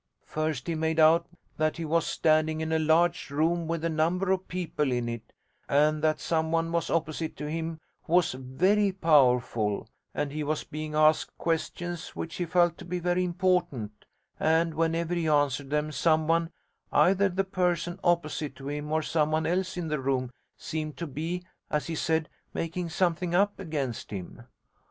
First he made out that he was standing in a large room with a number of people in it, and that someone was opposite to him who was "very powerful", and he was being asked questions which he felt to be very important, and, whenever he answered them, someone either the person opposite to him, or someone else in the room seemed to be, as he said, making something up against him.